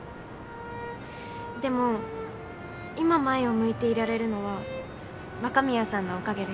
でも今前を向いていられるのは若宮さんのおかげです。